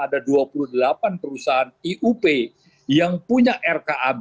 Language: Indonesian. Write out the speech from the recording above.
ada dua puluh delapan perusahaan iup yang punya rkab